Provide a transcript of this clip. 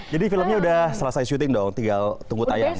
jadi filmnya udah selesai syuting dong tinggal tunggu tayang ya